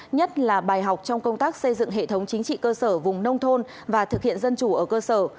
nhất là bài học trong công tác xây dựng hệ thống chính trị cơ sở vùng nông thôn và thực hiện dân chủ ở cơ sở